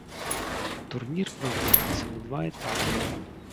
Турнір праводзіцца ў два этапы.